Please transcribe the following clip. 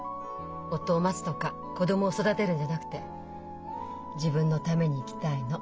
夫を待つとか子供を育てるんじゃなくて自分のために生きたいの。